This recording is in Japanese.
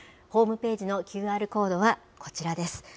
ホームページのＱＲコードはこちらです。